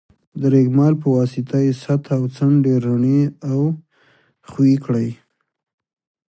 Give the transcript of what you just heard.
د رېګمال په واسطه یې سطحه او څنډې رڼې او ښوي کړئ.